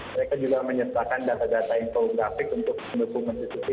mereka juga menyesuaikan data data infografik untuk mendukung menteri susi